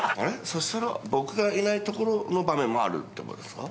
そしたら僕がいないところの場面もあるってことですか？